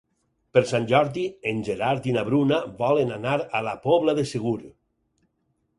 Per Sant Jordi en Gerard i na Bruna volen anar a la Pobla de Segur.